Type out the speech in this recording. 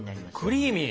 クリーミー！